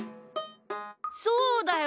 そうだよ！